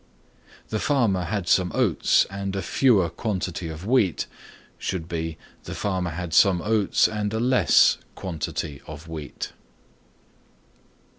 "The farmer had some oats and a fewer quantity of wheat" should be "the farmer had some oats and a less quantity of wheat."